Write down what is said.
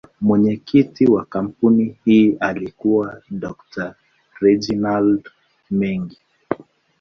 Mwenyekiti wa kampuni hii alikuwa anaitwa Dr.Reginald Mengi.